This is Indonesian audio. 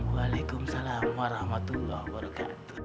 wa alaikum brilliant